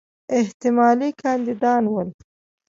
احتمالي کاندیدان ول.